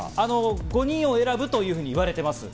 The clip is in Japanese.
５人を選ぶというふうに言われています。